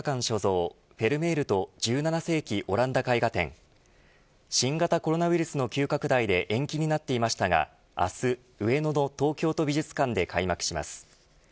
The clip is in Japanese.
所蔵フェルメールと１７世紀オランダ絵画展新型コロナウイルスの急拡大で延期になっていましたが明日、上野の東京都美術館で開幕します。